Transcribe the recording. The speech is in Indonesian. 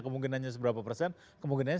kemungkinannya seberapa persen kemungkinan